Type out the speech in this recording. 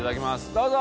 どうぞ。